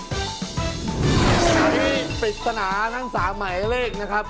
อันนี้ปริศนาทั้ง๓หมายเลขนะครับ